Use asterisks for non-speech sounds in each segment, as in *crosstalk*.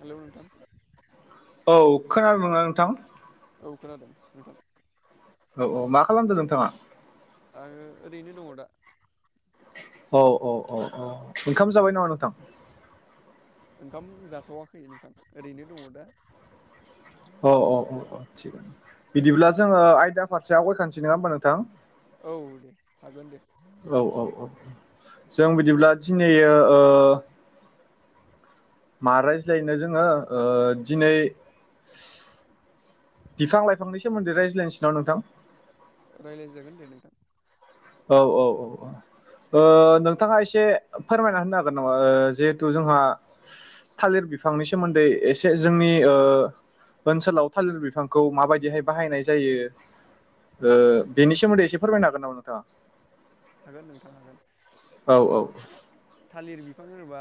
Hello नोंथां। औ खोनादोना नोंथां? औ खोनादों नोंथां। औ -औ मा खालामदो नोंथाङा? आङो ओरैनो दङ दा। औ -औ -औ -औ ओंखाम जाबाय नामा नोंथां? ओंखाम जाथ'वाखै नोंथां ओरैनो दङ दा। अ- अ -अ थिगानो बिदिब्ला जोङो आयदाखौ फारसे आवगायखासै नङा होमबा नोंथां औ- औ- औ। जों बिदिब्ला दिनै ओ मा रायज्लायनो जोङो ओ दिनै बिफां -लाइफांनि सोमोन्दै रायज्लायनोसैना नोंथां? रायज्लाय जागोन दे नोंथां। औ -औ -औ नोंथाङा एसे फोरमायना होनो हागोन नामा जिहेथु जोंहा थालिर बिफांनि सोमोन्दै एसे जोंनि ओ ओनसोलाव थालिर बिफांखौ माबायदिहाय बाहायनाय जायो बेनि सोमोन्दै एसे फोरमायनो हागोन नामा? *unintelligible* *unintelligible* हागोन नोंथां हागोन थालिर *unintelligible* *unintelligible* होनोबा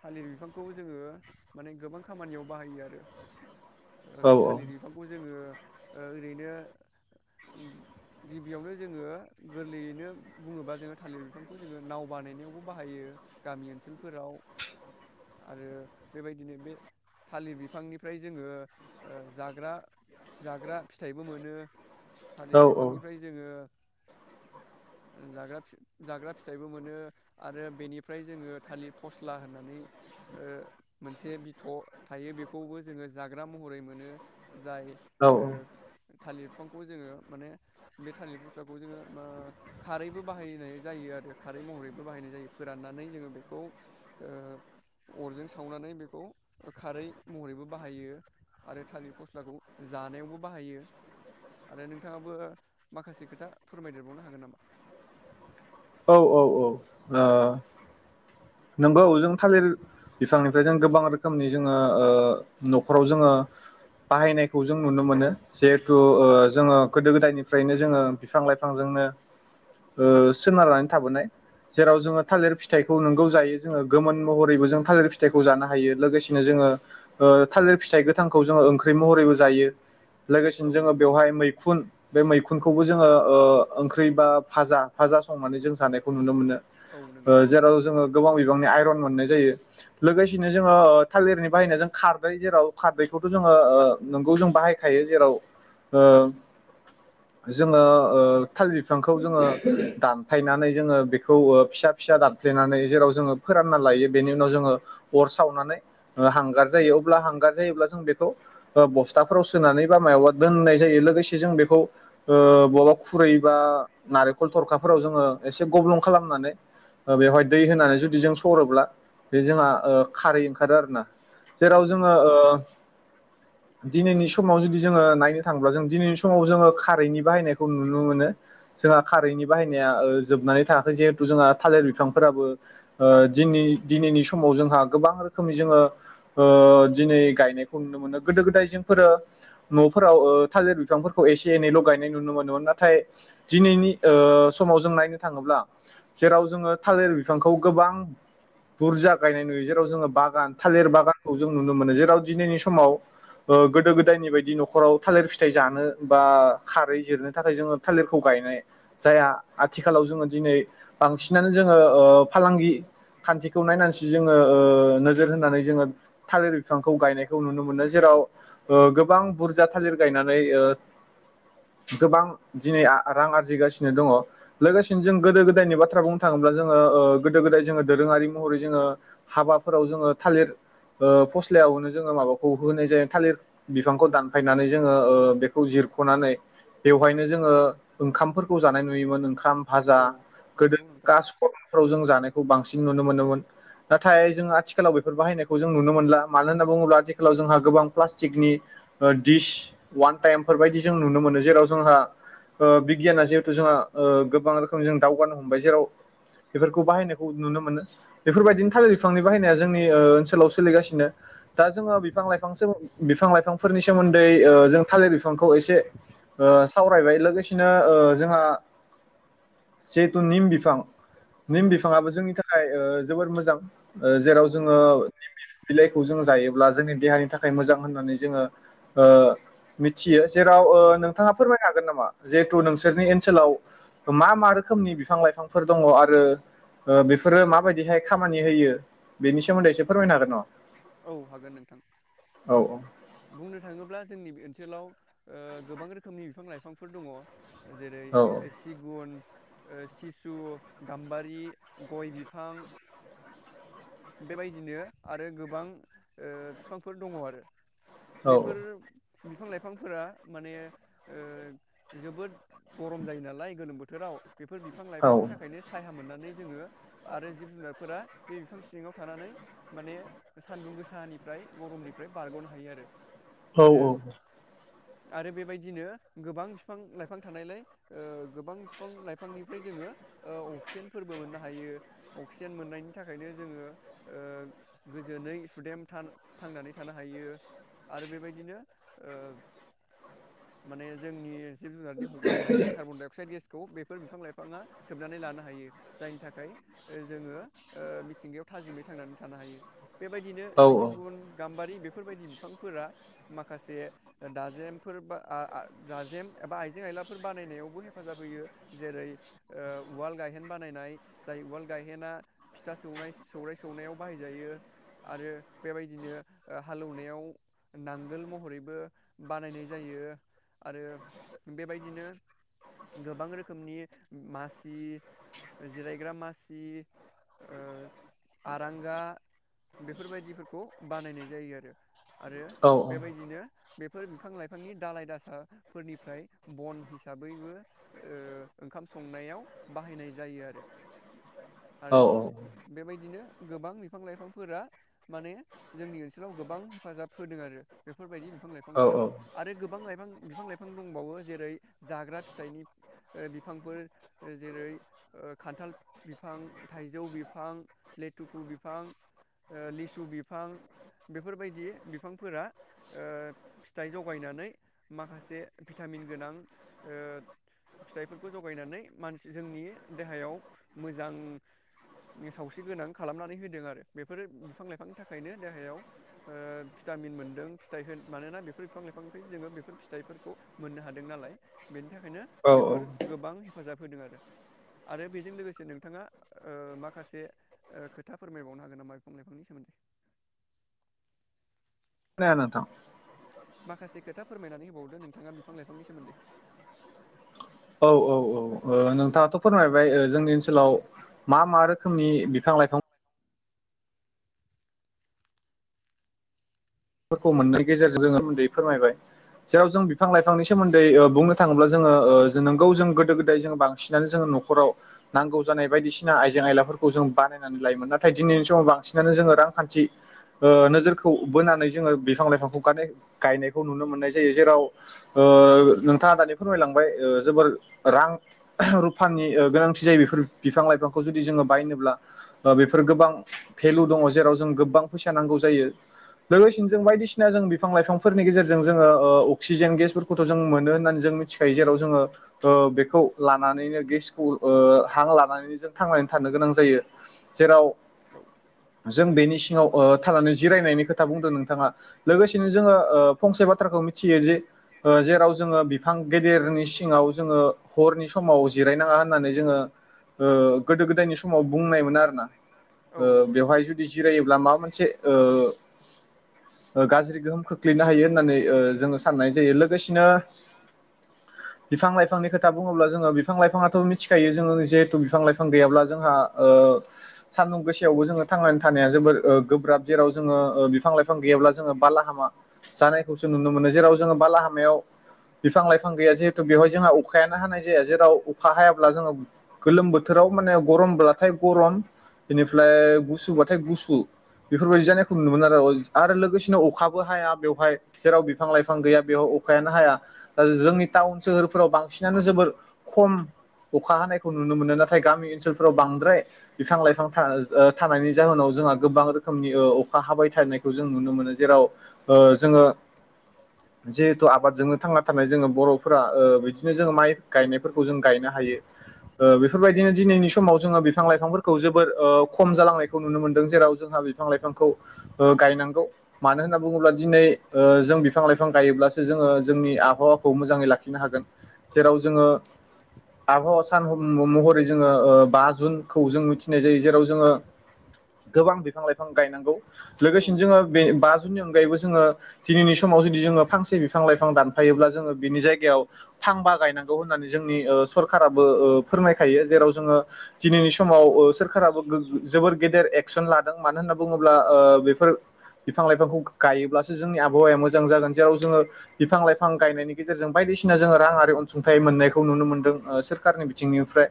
थालिर बिफांखौ जोङो माने गोबां खामानियाव बाहायो आरो। थालिर बिफांखौ जोङो ओरैनो गिबियावनो जोङो गोरलैयैनो। बुङोबा जोङो थालिर बिफांखौ जोङो नाव बानायनायावबो बाहायो गामि ओनसोल फोराव आरो बेबायदिनो बे थालिर बिफांनिफ्राय जोङो जाग्रा जाग्रा फिथाइबो मोनो। थालिर बिफांनिफ्राय जोङो जाग्रा फि जाग्रा फिथाइबो मोनो आरो बेनिफ्राय जोङो थालिर फस्ला होननानै ओ मोनसे बिथ' थायो बेखौबो जोङो जाग्रा महरै मोनो। जाय ओ थालिर फांखौ जोंङो माने बे थालिर फस्लाखौ जोंङो ओ खारैबो बाहायनाय जायो आरो खारै महरैबो बाहायनाय जायो फोराननानै जोङो बेखौ ओ अरजों सावनानै बेखौ खारै महरैबो बाहायो आरो थालिर फस्लाखौ जानायावबो बाहायो आरो नोंथाङाबो माखासे खोथा फोरमायदेरबावनो हागोन नामा? औ औ औ नोंगौ जों थालिर बिफांनिफ्राय जों गोबां रोखोमनि जोङो ओ न'खराव जोङो बाहायनायखौ जों नुनो मोनो जिहेथु ओ जोङो गोदो गोदायनिफ्रायनो जोङो बिफां लाइफांजोंनो ओ सोनारनानै थाबोनाय जेराव जोङो थालिर फिथाइखौ नोंगौ जायो जोङो गोमोन महरैबो जों थालिर फिथाइखौ जानो हायो लोगोसेनो जोङो ओ थालिर फिथाइ गोथांखौ जोङो ओंख्रै महरैबो जायो। लोगोसेनो जोङो बेवहाय मैखुन बे मैखु खुनखौबो जोङो ओ ओंख्रै बा भाजा फाजा संनानै जों जानायखौ नुनो मोनो। ओ जेराव जोंङो बिबांनि आयरन मोननाय जायो लोगोसेनो जोङो ओ थालिरनि बाहायनायजों खारदै जेराव खाददैखौथ' जोङो ओ नोंगौ जों बाहाय खायो जेराव ओ जोङो ओ थालिर बिफांखौ जोङो दानफाय नानै जोङो बेखौ फिसा फिसा दानफ्ले नानै जेराव जोङो फोरानना लायो बेनि उनाव जोङो अर सावनानै ओ हांगार जायो अब्ला हांगार जायोब्ला जों बेखौ ओ बस्थाफोराव सोनानै बा मायाबा दोन्नाय जायो लोगोसे जों बेखौ ओ बावबा खुरै बा नारेंखल थरख्रा फोराव जोङो एसे गब्लं खालामनानै ओ बेवहाय दै होनानै जुदि जों सरोब्ला बे जोंहा ओ खारै ओंखारो आरोना जेराव जोंङो ओ दिनैनि समाव जुदि जोङो नायनो थांब्ला जों दिनैनि समाव जोङो खारैनि बाहायनायखौ नुनो मोनो जोंहा खारैनि बाहायनाया ओ जोबनानै थाङाखै जिहेथु जोंहा थालिर बिफां बो ओ दिनै दिनैनि समाव जोंहा गोबां रोखोमनि जोङो ओ दिनै गायनायखौ नुनो मोनो गोदो गोदाय जोंफोरो न'फोराव ओ थालिर बिफांफोरखौ एसे एनैल' गायनाय नुनो मोनोमोन नाथाय दिनैनि ओ समाव जों नायनो थाङोब्ला जेराव जोङो थालिर बिफांखौ गोबां बुरजा गायनाय नुयो जेराव जोङो बागान थालिर बागानखौ जों नुनो मोनो जेराव दिनैनि समाव ओ गोदो गोदायनि बायदि न'खराव थालिर फिथाइ जानो बा खारै जिरनो थाखाय जोङो थालिरखौ गायनाय जाया आथिखालाव जोङो दिनै बांसि जोङो ओ फालांगि खान्थिखौ नायनानैसो जोङो ओ नोजोर होनानै जोङो थालिर बिफांखौ गायनायखौ नुनो मोनो जेराव ओ गोबां बुरजा थालिर गायनानै ओ गोबां दिनै रां आरजिगासिनो दङ। लोगोसेनो जों गोदो गोदायनि बाथ्रा बुं थाङोब्ला जोङो ओ गोदो गोदाय जोङो दोरोङारि महरै जोङो हाबाफोराव जोङो थालिर ओ फस्लायावनो जोङो माबाखौ होनाय जायो थालिर बिफांखौ दानफायनानै जोङो ओ बेखौ जिरख'नानै बेवहायनो जोङो ओंखामफोरखौ जानाय नु योमोन ओंखाम भाजा गोदो काज कर्मफ्राव जों जानायखौ बां सिन नुनो मोनोमोन। ना थाय जोंङो आथिखालाव बेफोर बाहायनायखौ जों नुनो मोनला मानो होनना बुंङोब्ला आथिखालाव जोंहा गोबां प्लास्टिकनि दिस अवान टाइमफोर बायदि जों नुनो मोनो जेराव जोंहा ओ बिगियाना जिहेथु जोंहा ओ गोबां रोखोम जों दावगानो जेराव बेफोरखौ बाहायनायखौ नुनो मोनो बेफोरबायदिनो थालिर बिफांनि बाहायनाया जोंनि ओ ओनसोलाव सोलिगासिनो दा जोङो बिफां लाइफां सो बिफां लाइफांफोरनि सोमोन्दै ओ जों थालिर बिफांखौ एसे ओ सावरायबाय लोगोसेनो ओ जोंहा जि थु निम बिफां। निम बिफाङाबो जोंनि थाखाय ओ जोबोर मोजां ओ जेराव जोंङो *unintelligible* बिलाइ खौ जों जायोब्ला जोंनि देहानि थाखाय मोजां होननानै जोंङो ओ मिथियो जेराव ओ नोंथाङा फोरमायनो हागोन नामा? जिहेतु नोंसोरनि ओन्सोलाव मा मा रोखोमनि बि बिफां-लाइफांफोर दङ' आरो ओ बेफोरो मा बायदिहाय खामानि होयो बेनि सोमोन्दै एसे फोरमायनो हागोन नामा? औ हागोन नोंथां बुंनो थाङोब्ला जोंनि ओन्सोलाव ओ गोबां रोखोमनि बिफां-लाइफांफोर दङ'। जेरै ओ सिगुन ओ सिसु, गाम्बारि, गय बिफां बेबायदिनो आरो गोबां ओ बिफांफोर दङ' आरो बेफोर बिफां लाइफांफोरा माने ओ जोबोद गरम जायो नालाय गोलोम बोथोराव बेफोर बिफां लाइफांनि थाखायनो सायहा मोननानै जोङो आरो जिब जुनारफोरा बे बिफां सिङाव थानानै माने सानदुं गोसानिफ्राय गरमनिफ्राय बारगनो हायो आरो *unintelligible* औ औ आरो बेबायदिनो गोबां बिफां-लाइफां थानायलाय ओ गोबां बिफां-लाइफांनिफ्राय जोङो ओ अक्सिजेन फोरबो मोननो हायो अक्सिजेन मोननायनि थाखायनो जोङो ओ गोजोनै सुदेम थांना थांनानै थानो हायो। आरो बेबायदिनो ओ माने जोंनि जिब-जुनारनि हगारनाय कार्बन डाइअक्साइड गेस खौ बेफोर बिफां-लाइफाङा सोबनानै लानो हायो जायनि थाखाय जोङो ओ मिथिंगायाव थाजिमै थांनानै थानो हायो। बेबायदिनो सिगुन, गाम्बारि बेफो बेफोरबायदि बिफां फोरा माखासे दाजेमफोर बा-बा दाजेम एबा आइजें आयलाफोर बानायनायावबो हेफाजाब होयो जेरै ओ उवाल गाहेन बानायनाय जाय उवाल गाहेना फिथा सौनाय सौराय सौनायाव बाहायजायो आरो बेबायदिनो हालेवनायाव नांगोल महरैबो बानायनाय जायो आरो बेबायदिनो गोबां रोखोमनि मासि जिरायग्रा मासि ओ आरांगा बेफोरबायदिफोरखौ बानायनाय जायो आरो आरो बेबायदिनो बेफोर बिफां-लाइफांनि दालाय दासाफोरनिफ्राय बन हिसाबैबो ओ ओंखाम संनायाव बाहायनाय जायो आरो आरो बेबायदिनो गोबां बिफां- लाइफांफोरा माने जोंनि ओन्सोलाव गोबां हेफाजाब होदों आरो बेफोरबायदि बिफां- लाइफांफोरा। आरो गोबां लाइफां बिफां-लाइफां दंबावो जेरै जाग्रा फिथाइनि बिफांफोर जेरै- ओ खान्थाल बिफां, थाइजौ बिफां, लेथुखु बिफां, ओ लिसु बिफां बेफोरबायदि बिफांफोरा ओ फिथाइ जगायनानै माखासे भिटामिन गोनां ओ फिथाइफोरखौ जगायनानै मानसि जोंनि देहायाव मोजां सावस्रि गोनां खालामनानै होदों आरो बेफोर बिफां-लाइफांनि थाखायनो देहायाव ओ भिटामिन मोनदों फिथाइ होन मानोना बेफोर बिफां- लाइफांनिफ्राय जोङो बेफोर फिथाइफोरखौ मोननो हादों नालाय बेनि थाखाय बेखायनो बेफोर गोबां हेफाजाब होदों आरो आरो बेजों लोगोसे नोंथाङा ओ माखासे ओ खोथा फोरमायबावनो हागोन नामा बिफां लाइफांनि सोमोन्दै? *unintelligible* नोंथां माखासे खोथा फोरमायनानै होबावदो नोंथाङा बिफां-लाइफांनि सोमोन्दै औ औ औ ओ नोंथाङाथ' फोरमायबाय ओ जोंनि ओन्सोलाव मा मा रोखोमनि बिफां-लाइफां फोरखौ मोननाय गेजेरजों जोङो उन्दै फोरमायबाय सायाव जों बिफां लाइफांनि सोमोन्दै ओ बुंनो थाङोब्ला जोङो ओ नोंगौ जों गोदो गोदाय जों बांसिनानो जोङो न'खराव नांगौ जानाय बायदिसिना आइजें आयलाफोरखौ जों बानायनानै लायोमोन नाथाय दिनैनि समाव बांसिनानो जोङो रांखान्थि ओ नोजोरखौ बोनानै बिफां लाइफां गानाय गायनायखौ नुनो मोननाय जै जेराव ओ नोंथाङा दानि फोरमायलांबाय ओ जोबोर रां रुफानि गोनांथि जायो बेफोर बिफां लाइफांखौ जुदि जोङो बायनोब्ला बा बेफोर गोबां भेलु दङ जेराव जों गोबां फैसा नांगौ जायो। लोगोसेनो जों बायदिसिना जों बिफां लाइफांफोरनि गेजेरजों जोङो ओ अक्सिजेन गेसफोरखौथ' जों मोनो होननानै जों मिथिखायो जेराव जोङो ओ बेखौ लानानैनो गेसखौ ओ हां लानानैनो जों थांनानै थानो गोनां जायो जेराव जों ओ थानानै जिरायनायनि खो था बुंदों नोंथाङा लोगोसेनो जोङो फंसे बाथ्राखौ मिथियो जे जेराव जोङो बिफां गेदेरनि सिङाव जोङो हरनि समाव जिरायनाङा होननानै जोङो गोदो गोदायनि समाव बुंनाय मोनो आरोना बेवहाय जुदि जिरायोब्ला माबा मोनसे ओ औ गाज्रि गोहोम खोख्लैनो हायो होननानै जोङो साननाय जायो, लोगो बिसिना बिफां लाइफांनि खोथा बुङोब्ला जोङो बिफां लाइफाङाथ' मिथिखायो जोङो जिहेथु बिफां लाइफां गैयाब्ला जोंहा सानदुं गोसायावबो जोङो थांनानै थानाया जोबोर गोब्राब जेराव जोङो बिफां लाइफां गैयाब्ला जोङो बाला हामा जानायखौसो नुनो मोनो जेराव जोङो बाला हामायाव बिफां लाइफां गैया जिहेथु बेवहाय जों अखायानो हानाय जाया जेराव अखा हायाब्ला जोङो गोलोम बोथोराव माने गरमब्लाथाय गरम बेनिफ्राय गुसुब बाथाय गुसु बेफोरबायदि जानाय नु मोन आरो आरो लोगोसेनो अखाबो हाया बेवहाय जेराव बिफां लाइफां गैया बेवहाय अखायानो हायाा जोंनि टाउन सोहोरफ्राव बांसिनानो जोबोर खम अखा हानायखौ नुनो मोनो नाथाय गामि ओनसोलफोराव बांद्राय बिफां लाइफां थानायनि जाहोनाव जोंहा गोबां रोखोमनि हाबाय थानायखौ जों नुनो मोनो जेराव जोङो जिहेथु आबादजोंनो थांना थानाय जोङो बर'फोरा बिदिनो जोङो माइ गायनायफोरखौ जों गायनो हायो बेफोरबायदिनो दिनैनि समाव जोङो बिफां लाइफांफोरखौ जोबोर खम जालांनायखौ नुनो मोनदों जेराव जोंहा बिफां लाइफांखौ गायनांगौ मानो होनना बुङोब्ला दिनै जों बिफां लाइफां गायोब्लासो जोङो जोंनि आबहावाखौ मोजाङै लाखिनो हागोन जेराव जोङो आबहावा सान महरै जोङो बा जुनखौ जों मिथिनाय जायो जेराव जोङो गोबां बिफां लाइफां गायनांगौ लोगोसेनो जोङो बे बा जुननि अनगायैबो जोङो दिनैनि समाव जुदि जोङो फांसे बिफां लाइफां दानफायोब्ला जोङो बिनि जायगायाव फांबा गायनांगौ होननानै जोंनि सरखाराराबो फोरमायखायो जेराव दिनैनि समाव सोरकारा बो जोबोर गेदेर एकसन मानो होन्ना बुङोब्ला ओ बेफोर बिफां लाइफांखौ गायोब्लासो जोंनि आबहावाया मोजां जेराव जोङो बिफां लाइफां गाइनाय गायनाय नि गेजेरजों बायदिसिना राङारि अनसुंथाइ मोन्नायखौ नुनो मोनदों सोरकारनि बिथिंनिफ्राय।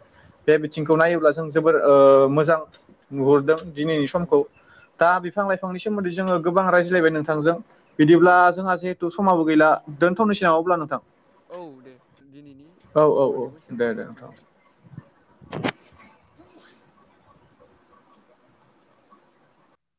बे बिथिंखौ नायोब्ला जों जोबोर मोजां नुहरदों। दिनैनि समखौ दा बिफां लाइफां नि सोमोन्दै गोबां रायज्लायबाय नोंथां जों बिदिब्ला जोंहा जिहेथु समाबो गैला दोनथ'नोसै ना अब्ला नोंथां औ दे दिनैनि सावरायनायखौ एसेयावनो दोनथ'सै नोंथां औ।